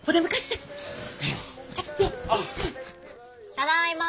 ただいま。